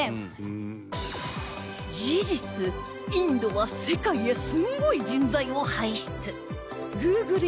事実インドは世界へすごい人材を輩出